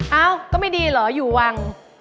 เอ้าก็ไม่ดีเหรออยู่วัง